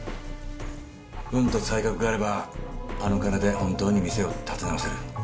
運と才覚があればあの金で本当に店を立て直せる。